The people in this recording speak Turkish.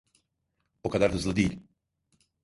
O kadar hızlı değil.